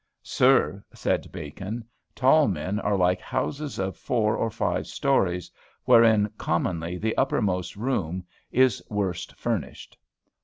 'Sir,' said Bacon, 'tall men are like houses of four or five stories, wherein commonly the uppermost room is worst furnished.'"